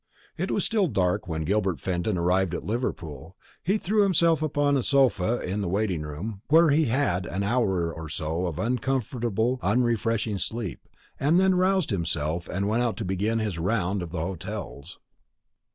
It was still dark when Gilbert Fenton arrived at Liverpool. He threw himself upon a sofa in the waiting room, where he had an hour or so of uncomfortable, unrefreshing sleep, and then roused himself and went out to begin his round of the hotels.